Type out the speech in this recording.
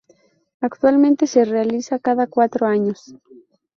Actualmente se realiza cada cuatro años.